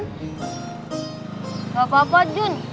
nggak apa apa jun